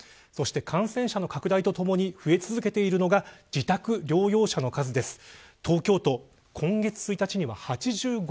そして感染者の拡大とともに増え続けているのが自宅療養者の数です。